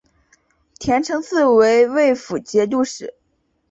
田承嗣为魏博节度使。